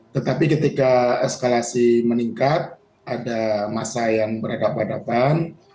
tetapi ketika eskalasi meningkat ada masa yang berada padatan